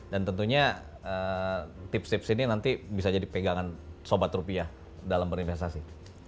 dan tentunya tips tips ini nanti bisa jadi pegangan sobat rupiah dalam berinvestasi